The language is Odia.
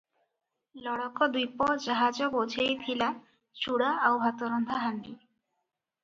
ଲକଡ଼ ଦ୍ୱୀପ ଜାହାଜ ବୋଝେଇ ଥିଲା ଚୁଡ଼ା ଆଉ ଭାତରନ୍ଧା ହାଣ୍ଡି ।